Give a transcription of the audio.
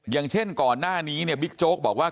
อย่างเช่นก่อนหน้านี้เนี่ยบิ๊กโจ๊กบอกว่า